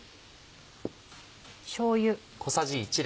しょうゆ。